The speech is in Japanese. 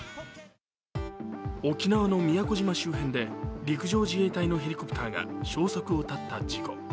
沖縄県の宮古島周辺で陸上自衛隊のヘリコプターが消息を絶った事故。